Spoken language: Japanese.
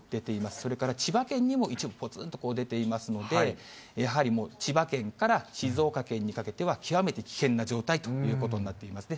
それから千葉県にも一部ぽつんと出ていますので、やはりもう、千葉県から静岡県にかけては極めて危険な状態ということになっていますね。